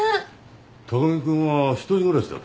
高木君は一人暮らしだったよな。